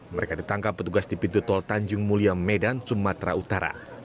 mereka ditangkap petugas di pintu tol tanjung mulia medan sumatera utara